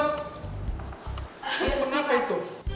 ini kenapa itu